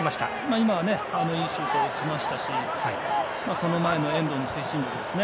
今のもいいシュート打ちましたしその前の遠藤の推進力ですね。